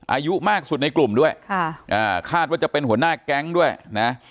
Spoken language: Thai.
อายุมากสุดในกลุ่มด้วยค่ะอ่าคาดว่าจะเป็นหัวหน้าแก๊งด้วยนะ